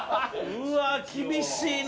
うわ厳しいな。